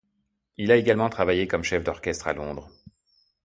Il a également travaillé comme chef d'orchestre à Londres.